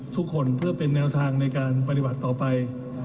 ทุกคนเพื่อเป็นแนวทางในการปฏิบัติต่อไป